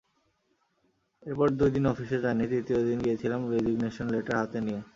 এরপর দুই দিন অফিসে যাইনি, তৃতীয় দিন গিয়েছিলাম রেজিগনেশন লেটার হাতে নিয়ে।